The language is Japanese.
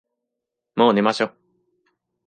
もう寝ましょ。